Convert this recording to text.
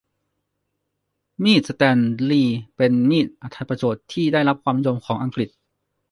มีดสแตนลีย์เป็นมีดอรรถประโยชน์ที่ได้รับความนิยมของอังกฤษ